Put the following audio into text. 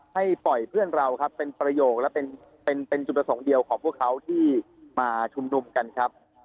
ให้ปล่อยเพื่อนเราครับเป็นประโยคและเป็นจุดประสงค์เดียวของพวกเขาที่มาชุมนุมกันครับ